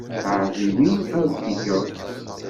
Ɛahed-iyi ar t-tgeḍ.